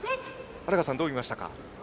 荒賀さん、どう見ましたか。